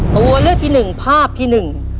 ตัวเลือกที่หนึ่งภาพที่หนึ่ง